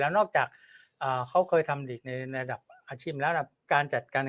แล้วนอกจากเขาเคยทำดิกษ์ในระดับอาชีพแล้วการจัดการ